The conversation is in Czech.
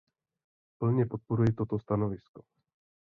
Plně podporuji toto stanovisko.